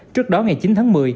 trước đó ngày chín tháng một mươi